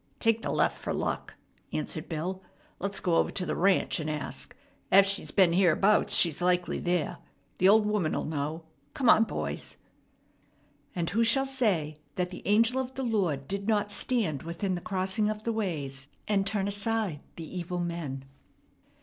"Take the left hand fer luck," answered Bill. "Let's go over to the ranch and ask. Ef she's been hereabouts, she's likely there. The old woman'll know. Come on, boys!" And who shall say that the angel of the Lord did not stand within the crossing of the ways and turn aside the evil men?